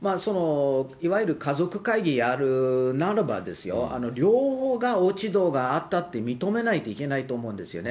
いわゆる家族会議やるならばですよ、両方が落ち度があったって認めないといけないと思うんですよね。